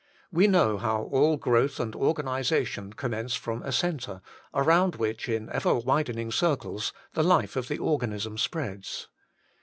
We know how all growth and organization commence from a centre, around which in ever widening circles the life of the organism spreads.